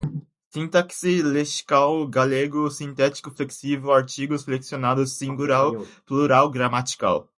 sintaxe, lexical, galego, sintético, flexivo, artigos, flexionados, singular, plural, gramatical